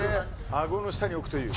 あごの下に置くという。